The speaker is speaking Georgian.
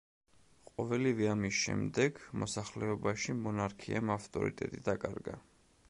ყოველივე ამის შემდეგ, მოსახლეობაში მონარქიამ ავტორიტეტი დაკარგა.